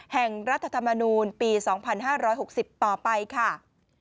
รัฐธรรมนูลปี๒๕๖๐ต่อไปค่ะ